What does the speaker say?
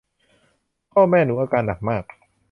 พ่อแม่หนูอาการหนักมาก